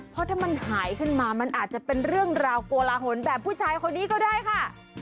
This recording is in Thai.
เพราะถ้ามันหายขึ้นมามันอาจจะเป็นเรื่องราวโกลาหลแบบผู้ชายคนนี้ก็ได้ค่ะ